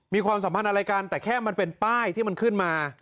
ความสัมพันธ์อะไรกันแต่แค่มันเป็นป้ายที่มันขึ้นมา